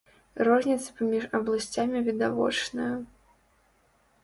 Розніца паміж абласцямі відавочная.